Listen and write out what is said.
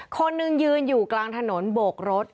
คนหนึ่งยืนอยู่กลางถนนโบกรถ